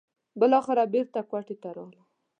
بالاخره بېرته کوټې ته راغلم.